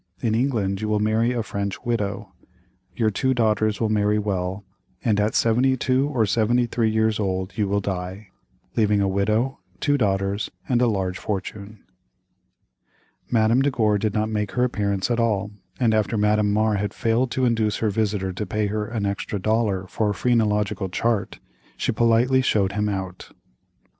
In England you will marry a French widow. Your two daughters will marry well, and at 72 or 73 years old you will die, leaving a widow, two daughters, and a large fortune." Madame de Gore did not make her appearance at all, and after Madame Mar had failed to induce her visitor to pay her an extra dollar for a phrenological chart, she politely showed him out.